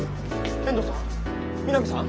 遠藤さん？